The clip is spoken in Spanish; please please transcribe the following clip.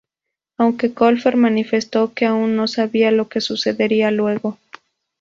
Aunque Colfer, manifestó que aún no sabía lo que sucedería luego.